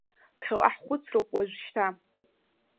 Ԥхьаҟа ҳхәыцроуп уажәшьҭа.